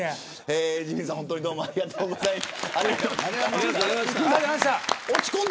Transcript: ジミーさん、本当にどうもありがとうございました。